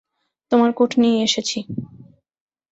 তোমার কোট নিয়ে এসেছি।